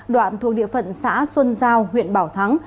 đoạn thuộc địa phận xã xuân giao huyện bảo thắng